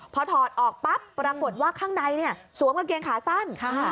พอถอดออกปั๊บปรากฏว่าข้างในสวมกางเกงขาสั้น